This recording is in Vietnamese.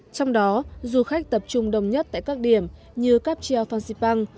trong đó du khách tập trung đông nhất tại các điểm như cap chiao phan xipang